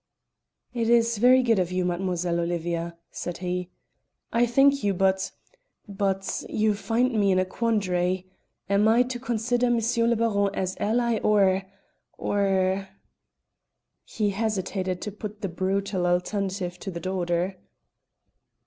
"It is very good of you, Mademoiselle Olivia," said he. "I thank you, but but you find me in a quandary. Am I to consider M. le Baron as ally or or or " He hesitated to put the brutal alternative to the daughter.